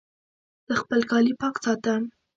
زه خپل کالي پاک ساتم